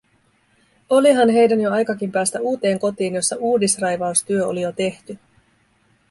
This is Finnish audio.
Olihan heidän jo aikakin päästä uuteen kotiin, jossa uudisraivaustyö oli jo tehty.